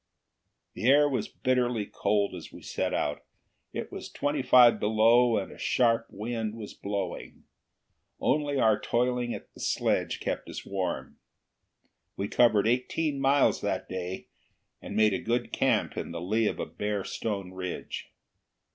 The air was bitterly cold as we set out: it was twenty five below and a sharp wind was blowing. Only our toiling at the sledge kept us warm. We covered eighteen miles that day, and made a good camp in the lee of a bare stone ridge.